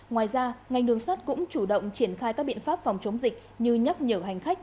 ngoài ra ngành đường sắt cũng chủ động triển khai các biện pháp phòng chống dịch như nhắc nhở hành khách